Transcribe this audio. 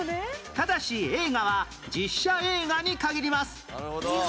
ただし映画は実写映画に限ります